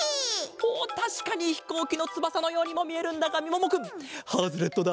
おったしかにひこうきのつばさのようにもみえるんだがみももくんハズレットだ。